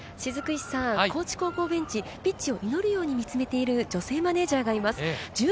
高知高校ベンチ、ピッチを祈るように見つめている女性マネージャーがいます。